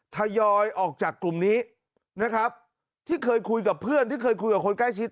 ทยอยออกจากกลุ่มนี้นะครับที่เคยคุยกับเพื่อนที่เคยคุยกับคนใกล้ชิด